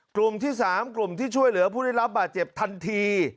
กลุ่มที่๓กลุ่มที่ช่วยเหลือผู้ได้รับบาดเจ็บทันที